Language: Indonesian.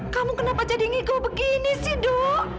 kamu kenapa jadi ngigo begini sih du